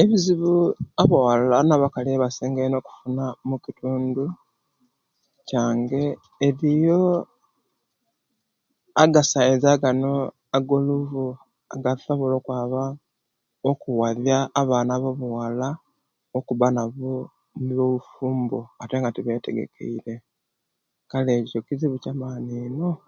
Ebizibu abakali na bawala eibasinga eino okufuna omukitundu kiyange eriyo agasaiza gano agoluvu agasobola okwaba okuwazya abaana bowula okuba nabo mubyo bufumbo aye nga tibetegekeire kale echo kizibu kyamani ino